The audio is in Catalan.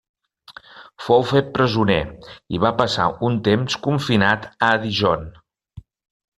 Fou fet presoner i va passar un temps confinat a Dijon.